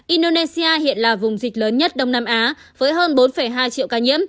indonesia hiện là vùng dịch lớn nhất đông nam á với hơn bốn hai triệu ca nhiễm